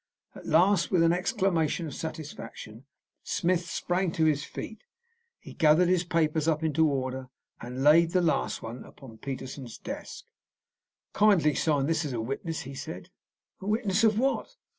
At last, with an exclamation of satisfaction, Smith sprang to his feet, gathered his papers up into order, and laid the last one upon Peterson's desk. "Kindly sign this as a witness," he said. "A witness? Of what?"